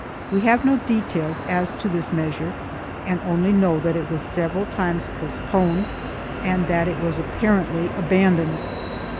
1 We have no details as to this measure and only know that it was several times postponed and that it was apparently abandoned.